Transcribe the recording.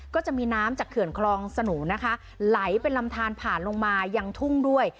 ก็จะมีน้ำจากเขื่อนคลองสนูนะคะไหลเป็นลำทานผ่านลงมายังทุ่งด้วย